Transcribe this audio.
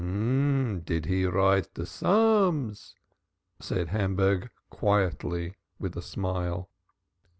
"Did he write the Psalms?" said Hamburg quietly, with a smile.